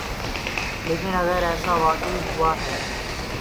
لیکن اگر ایسا واقعی ہوا ہے۔